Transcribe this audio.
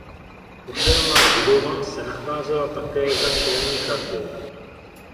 Obdélná budova se nacházela také za čelní hradbou.